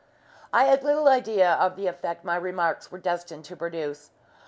I had little idea of the effect my remarks were destined to produce.